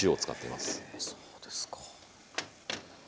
そうですか。